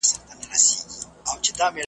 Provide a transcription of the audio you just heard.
چاته به په چیغو خپل د ورکي ګرېوان څیري کړم .